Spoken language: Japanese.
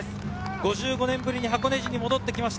５５年ぶりに箱根路に戻ってきました